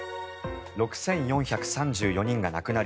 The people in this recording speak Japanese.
６４３４人が亡くなり